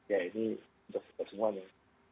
ya ini untuk semua nih